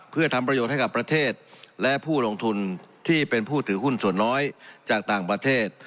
เพื่อทำประโยชน์ให้กับประเทศและผู้ลงทุนที่เป็นผู้ถือหุ้นส่วนน้อยจากต่างประเทศ